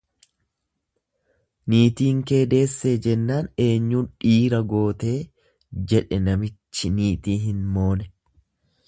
Niitiin kee deessee jennaan eenyuun dhiira gootee jedhe namichi niitii hin moone.